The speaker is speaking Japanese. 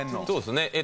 そうですね。